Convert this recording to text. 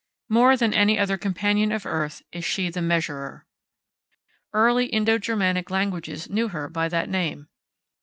More than any other companion of earth is she the Measurer. Early Indo Germanic languages knew her by that name.